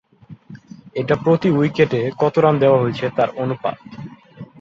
এটা প্রতি উইকেটে কত রান দেওয়া হয়েছে তার অনুপাত।